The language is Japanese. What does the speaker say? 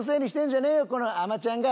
この甘ちゃんが！